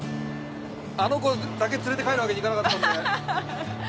あの子だけ連れて帰るわけにいかなかったんで。